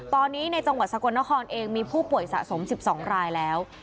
ตอนนี้ในจังหวัดสกลนครเองมีผู้ป่วยสะสม๑๒รายแล้ว